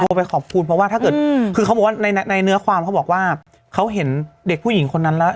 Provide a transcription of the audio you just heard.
เพราะว่าคุณพ่อโทรไปขอบคุณเพราะว่าในเนื้อความเขาบอกว่าเขาเห็นเด็กผู้หญิงคนนั้นแล้ว